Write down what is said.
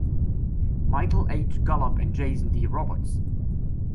Michael H Gollob and Jason D Roberts.